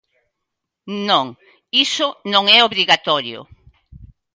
Non, iso non é obrigatorio.